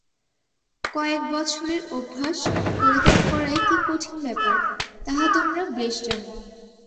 কয়েক বৎসরের অভ্যাস পরিত্যাগ করাই কি কঠিন ব্যাপার, তাহা তোমরা বেশ জান।